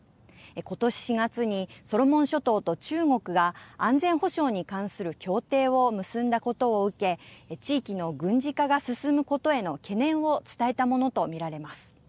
ことし４月にソロモン諸島と中国が安全保障に関する協定を結んだことを受け地域の軍事化が進むことへの懸念を伝えたものと見られます。